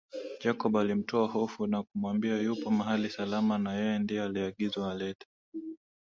Jacob alimtoa hofu na kumwambia yupo mahali salama na yeye ndio aliagizwa aletwe